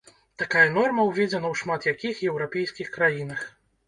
Такая норма ўведзена ў шмат якіх еўрапейскіх краінах.